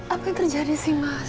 apa yang terjadi sih mas